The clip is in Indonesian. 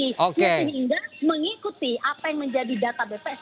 mungkin ingat mengikuti apa yang menjadi data bps